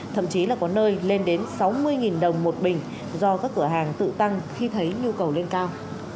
thậm chí là có nơi lên đến sáu mươi đồng một bình do các cửa hàng tự tăng khi thấy nhu cầu lên cao